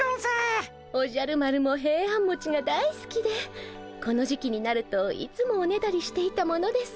おじゃる丸もヘイアンもちが大好きでこの時期になるといつもおねだりしていたものです。